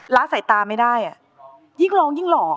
ละสายตาไม่ได้ยิ่งร้องยิ่งหล่อ